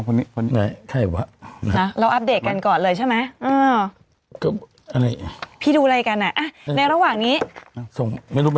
แล้วอัพเดตกันก่อนเลยใช่ไหมพี่ดูเลยกันไม่รอหว่างนี้